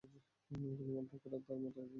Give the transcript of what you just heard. কিন্তু মনটাই খারাপ, তার এত আয়োজন বুমেরাং হয়ে গেছে।